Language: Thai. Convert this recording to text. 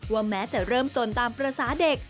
ว่าแม้จะเริ่มสนตามประสาเด็ก